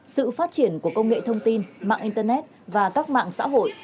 sự phát triển của công nghệ thông tin mạng internet và các mạng xã hội